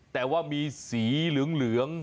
แต่ว่ามีสีเหลือง